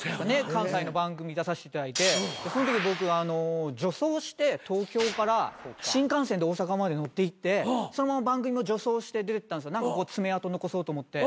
関西の番組出させていただいてそのとき僕女装して東京から新幹線で大阪まで乗っていってそのまま番組も女装して出て何か爪痕残そうと思って。